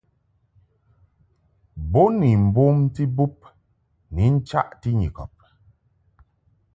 Bo ni mbomti bub ni nchaʼti Nyikɔb.